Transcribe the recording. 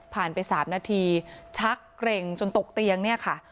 ผ่านไป๓นาทีชักเกร็งจนตกเตียง